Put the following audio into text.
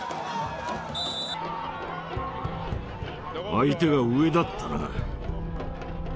相手が上だったな。